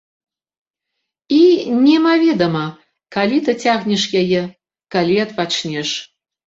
І немаведама, калі дацягнеш яе, калі адпачнеш.